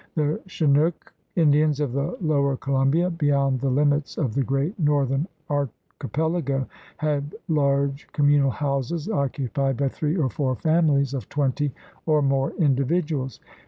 The Chinook 136 THE RED MAN'S CONTINENT Indians of the lower Columbia, beyond the limits of the great northern archipelago, had large com munal houses occupied by three or four families of twenty or more individuals.